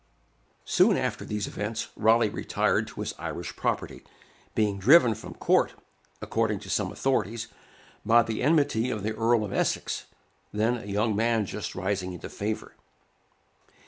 Soon after these events, Raleigh retired to his Irish property, being driven from court, according to some authorities, by the enmity of the Earl of Essex, then a young man just rising into favor.